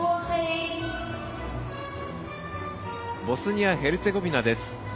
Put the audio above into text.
ボスニア・ヘルツェゴビナです。